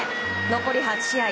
残り８試合。